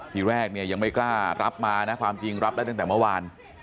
ทีแรกเนี่ยยังไม่กล้ารับมานะความจริงรับได้ตั้งแต่เมื่อวาน